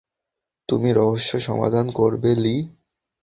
তুমি রহস্য সমাধান করবে, লী।